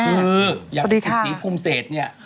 คืออย่างศรีภูมิเศษเนี่ย